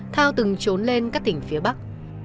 thao từng trốn lên các tỉnh phía bắc